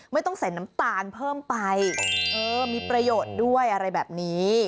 ไม่ต้องใส่น้ำตาลเพิ่มไปเออมีประโยชน์ด้วยอะไรแบบนี้